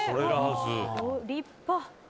立派。